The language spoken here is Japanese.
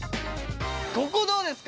ここどうですか？